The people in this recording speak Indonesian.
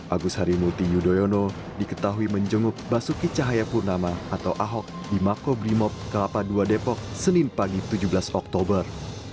agus harimurti yudhoyono diketahui menjenguk basuki cahayapurnama atau ahok di makobrimob kelapa ii depok senin pagi tujuh belas oktober